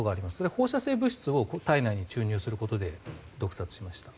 放射性物質を体内に注入することで毒殺しました。